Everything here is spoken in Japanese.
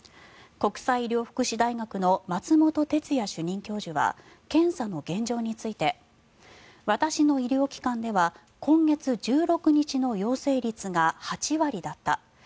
国際医療福祉大学の松本哲哉主任教授は検査の現状について私の医療機関では今月１６日の陽性率が８割だった。